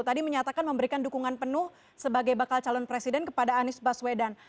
tadi menyatakan memberikan dukungan penuh sebagai bakal calon presiden kepada anies baswedan